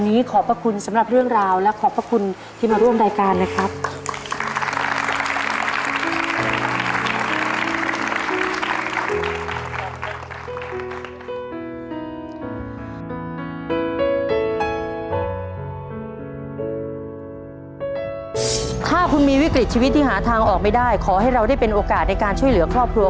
ตอนนี้ขอบพระคุณสำหรับเรื่องราวและขอบพระคุณที่มาร่วมรายการนะครับ